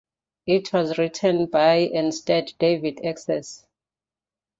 It was written by and starred David Essex.